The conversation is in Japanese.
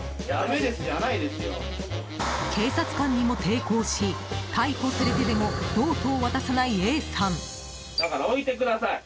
警察官にも抵抗し逮捕されてでもノートを渡さないＡさん。